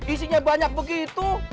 isinya banyak begitu